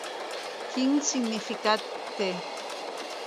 Quin significat t